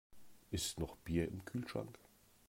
Ist noch Bier im Kühlschrank?